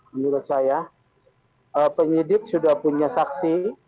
menurut saya penyidik sudah punya saksi